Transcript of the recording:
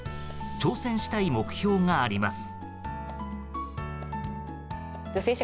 挑戦したい目標があります。